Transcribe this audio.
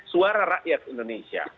suara rakyat indonesia